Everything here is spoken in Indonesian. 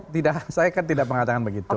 tidak saya kan tidak mengatakan begitu